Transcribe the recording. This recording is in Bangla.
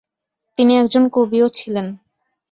তিনি একজন কবিও ছিলেন।